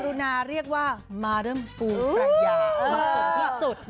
กรุณาเรียกว่ามาเดิมปูประยามาสุดพิสุทธิ์